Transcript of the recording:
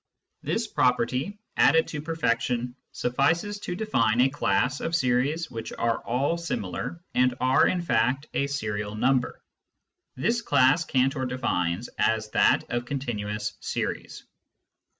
This property, added to perfection, suffices to define a class of series which are all similar and are in fact a serial number. This class Cantor defines as that of continuous series.